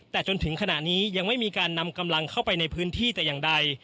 แต่จนถึงขณะนี้ยังไม่มีการนำกำลังเข้าไปในพื้นที่แต่อย่างใด